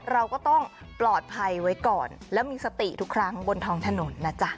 เราก็ต้องปลอดภัยไว้ก่อนแล้วมีสติทุกครั้งบนท้องถนนนะจ๊ะ